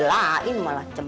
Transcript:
terima kasih banyak